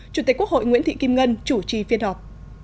chủ tịch quốc hội nguyễn thị kim ngân chủ trì phiên họp